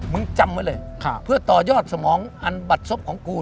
จำไว้เลยเพื่อต่อยอดสมองอันบัดศพของกู